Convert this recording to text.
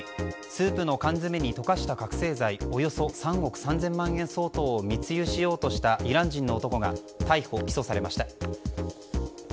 スープの缶詰に溶かした覚醒剤およそ３億３０００万円相当を密輸しようとしたイラン人の男が逮捕・起訴されました。